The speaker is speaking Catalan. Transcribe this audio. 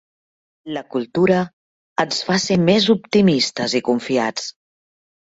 La cultura ens fa ser més optimistes i confiats.